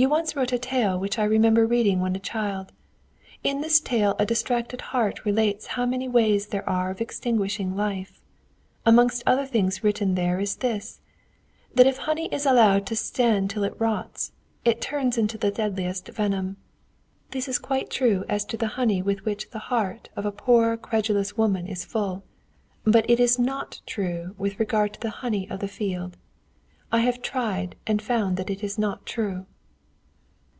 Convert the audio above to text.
You once wrote a tale which I remember reading when a child. In this tale a distracted heart relates how many ways there are of extinguishing life. Amongst other things written there is this: that if honey is allowed to stand till it rots, it turns into the deadliest venom. This is quite true as to the honey with which the heart of a poor credulous woman is full, but it is not true with regard to the honey of the field. I have tried and found that it is not true."